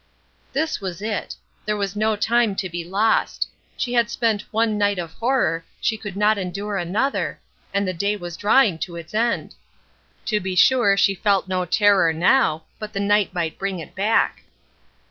This was it. There was no time to be lost. She had spent one night of horror, she could not endure another, and the day was drawing to its end. To be sure she felt no terror now, but the night might bring it back.